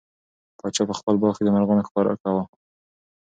پاچا په خپل باغ کې د مرغانو ښکار کاوه.